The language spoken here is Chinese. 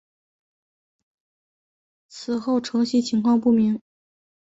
此后承袭情况不明。